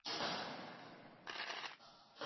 Nyumba yetu imejengwa kwa mawe.